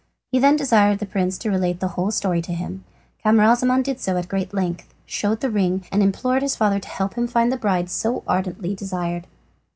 He then desired the prince to relate the whole story to him. Camaralzaman did so at great length, showed the ring, and implored his father to help to find the bride he so ardently desired.